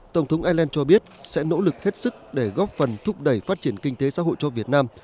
tổng thống ireland cho biết sẽ nỗ lực hết sức để góp phần thúc đẩy phát triển kinh tế xã hội cho việt nam